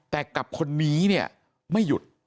แต่กับคนนี้เนี่ยไม่หยุด